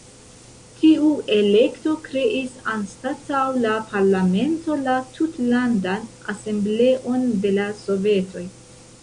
Tiu elekto kreis anstataŭ la parlamento la Tutlandan Asembleon de la Sovetoj.